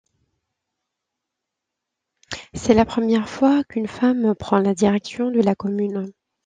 C'est la première fois qu'une femme prend la direction de la commune.